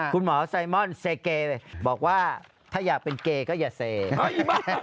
คุณหมอไซมอนเซเกบอกว่าถ้าอยากเป็นเกย์ก็อย่าเซ